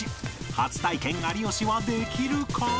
初体験有吉はできるか？